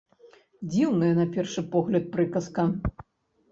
Дзіўная, на першы погляд, прыказка.